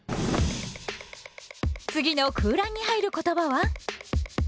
次の空欄に入る言葉は？